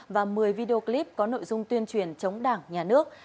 và một mươi video clip có nội dung tuyên truyền chống đảng nhà nước